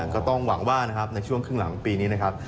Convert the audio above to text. ก็ต้องหวังว่านะครับในช่วงครึ่งหลังปีนี้นะครับ